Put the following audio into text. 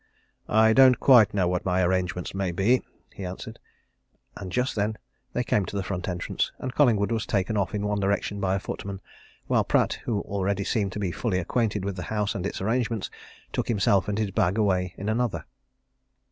"I don't quite know what my arrangements may be," he answered. And just then they came to the front entrance, and Collingwood was taken off in one direction by a footman, while Pratt, who already seemed to be fully acquainted with the house and its arrangements, took himself and his bag away in another.